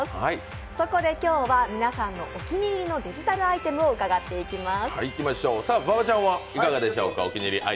そこで今日は皆さんのお気に入りのデジタルアイテムを伺っていきます。